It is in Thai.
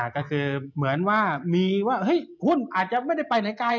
ก็คือเหมือนว่ามีว่าหุ้นอาจจะไม่ได้ไปไหนไกล